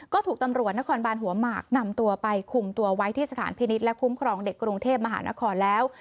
ก็ถูกตำรวจนครบานหัวหมากนำตัวไปคุมตัวไว้ที่สถานพินิษฐ์และคุ้มครองเด็กกรุงเทพมหานครแล้ว